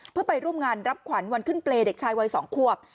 เพื่อไปร่วมงานรับขวัญวันขึ้นเปรย์เด็กชายวัย๒ควบ